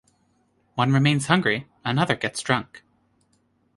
One remains hungry, another gets drunk.